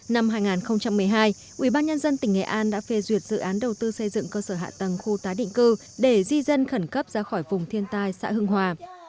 năm hai nghìn một mươi hai ubnd tỉnh nghệ an đã phê duyệt dự án đầu tư xây dựng cơ sở hạ tầng khu tái định cư để di dân khẩn cấp ra khỏi vùng thiên tai xã hưng hòa